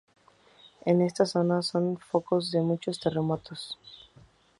En esta zona, son focos de muchos terremotos.